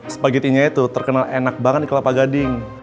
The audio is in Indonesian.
spaghettinya itu terkenal enak banget di kelapa gading